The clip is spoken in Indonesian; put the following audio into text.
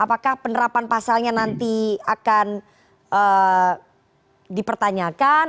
apakah penerapan pasalnya nanti akan dipertanyakan